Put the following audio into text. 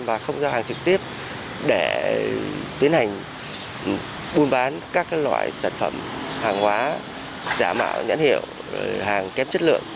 và không giao hàng trực tiếp để tiến hành buôn bán các loại sản phẩm hàng hóa giả mạo nhãn hiệu hàng kém chất lượng